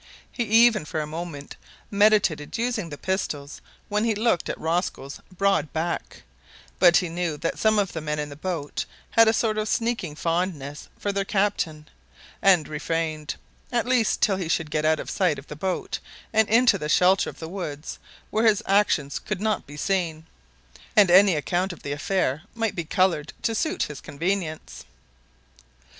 He even for a moment meditated using the pistols when he looked at Rosco's broad back; but he knew that some of the men in the boat had a sort of sneaking fondness for their captain, and refrained at least till he should get out of sight of the boat and into the shelter of the woods where his actions could not be seen, and any account of the affair might be coloured to suit his convenience.